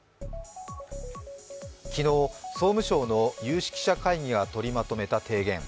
昨日、総務省の有識者会議が取りまとめた提言。